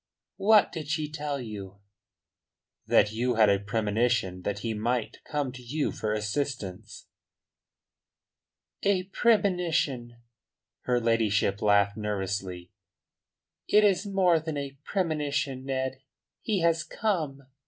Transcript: "What did she tell you?" "That you had a premonition that he might come to you for assistance." "A premonition!" Her ladyship laughed nervously. "It is more than a premonition, Ned. He has come."